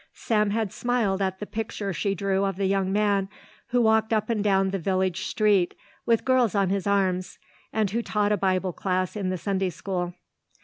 Sam had smiled at the picture she drew of the young man who walked up and down the village street with girls on his arms, and who taught a Bible class in the Sunday school.